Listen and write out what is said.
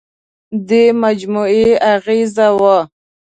دې مجموعې اغېزه وه.